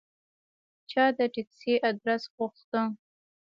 چا د تکسي آدرس غوښته.